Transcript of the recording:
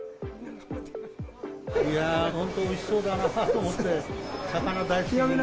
いやー、本当においしそうだなーと思って。